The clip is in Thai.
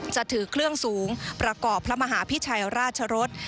จะถือเครื่องสูงประกอบพระมหาพิชัยราชรส